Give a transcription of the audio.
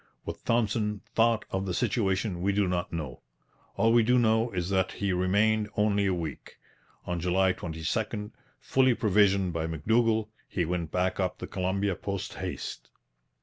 What Thompson thought of the situation we do not know. All we do know is that he remained only a week. On July 22, fully provisioned by M'Dougall, he went back up the Columbia post haste.